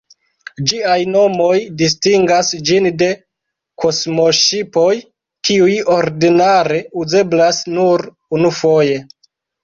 Ĝiaj nomoj distingas ĝin de kosmoŝipoj, kiuj ordinare uzeblas nur unufoje.